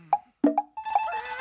わあ！